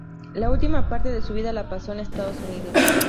La última parte de su vida la pasó en Estados Unidos.